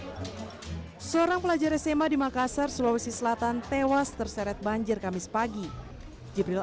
hai seorang pelajar sma di makassar sulawesi selatan tewas terseret banjir kamis pagi jibril